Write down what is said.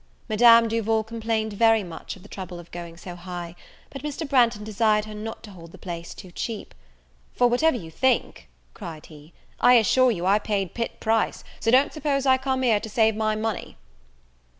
Madame Duval complained very much of the trouble of going so high: but Mr. Branghton desired her not to hold the place too cheap; "for, whatever you think," cried he, "I assure you I paid pit price; so don't suppose I come here to save my money."